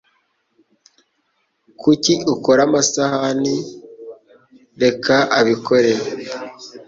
Kuki ukora amasahani? Reka abikore.